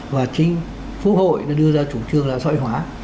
và chính phú hội đã đưa ra chủ trương là dõi hóa